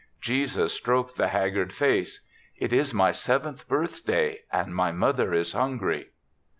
Jesus stroked the haggard face. " It is my seventh birthday, and my mother is hungry."